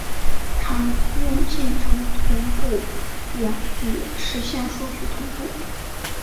常用进程同步原语实现数据同步。